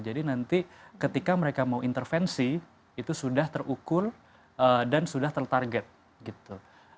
jadi nanti ketika mereka mau intervensi itu sudah terukur dan sudah tertarget gitu